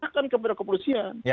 bukan kepada kepolisian